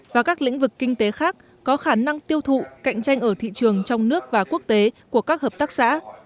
và các lĩnh vực kinh tế khác có khả năng tiêu thụ cạnh tranh ở thị trường trong nước và quốc tế của các hợp tác xã